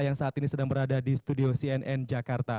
yang saat ini sedang berada di studio cnn jakarta